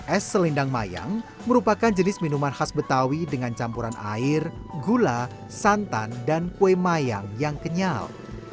es selendang mayang merupakan jenis minuman khas betawi dengan campuran air gula santan dan kue mayang yang kenyal